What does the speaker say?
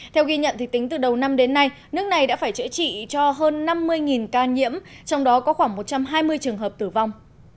theo ghi nhận tính từ đầu năm đến nay nước này đã phải chữa trị cho hơn năm mươi ca nhiễm trong đó có khoảng một trăm hai mươi trường hợp tử vong